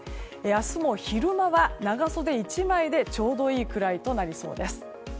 明日も昼間は長袖１枚でちょうどいいくらいとなりそうです。